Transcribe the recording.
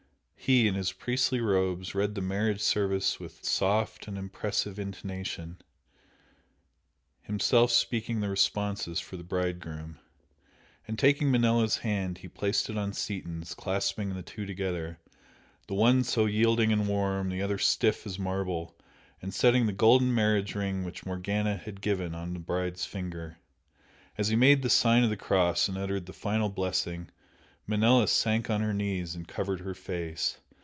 He, in his priestly robes, read the marriage service with soft and impressive intonation, himself speaking the responses for the bride groom, and taking Manella's hand he placed it on Seaton's, clasping the two together, the one so yielding and warm, the other stiff as marble, and setting the golden marriage ring which Morgana had given, on the bride's finger. As he made the sign of the cross and uttered the final blessing, Manella sank on her knees and covered her face.